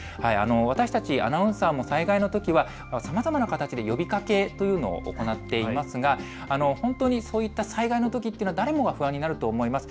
私たちアナウンサーも災害のときはさまざまな形で呼びかけというのを行っていますが本当にそういった災害のときは誰もが不安になると思います。